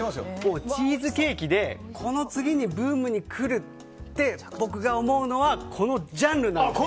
チーズケーキでこの次にブームに来るって僕が思うのはこのジャンルなんです。